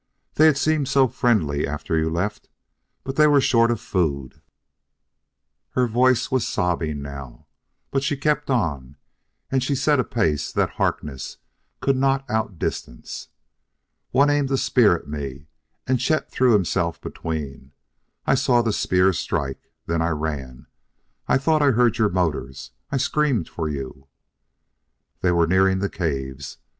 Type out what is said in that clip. They had seemed so friendly after you left but they were short of food " Her voice was sobbing now, but she kept on, and she set a pace that Harkness could not outdistance. "One aimed a spear at me, and Chet threw himself between. I saw the spear strike then I ran. I thought I heard your motors I screamed for you " They were nearing the caves.